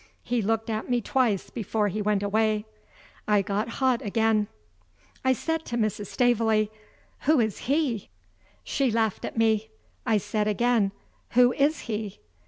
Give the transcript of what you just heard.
He looked at me twice before he went away. I got hot again. I said to Mrs. Staveley: "Who is he?" She laughed at me. I said again: "Who is he?"